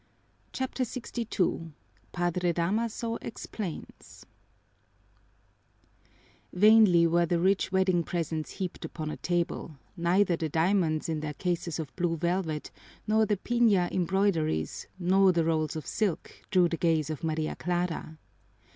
CHAPTER LXII Padre Damaso Explains Vainly were the rich wedding presents heaped upon a table; neither the diamonds in their cases of blue velvet, nor the piña embroideries, nor the rolls of silk, drew the gaze of Maria Clara.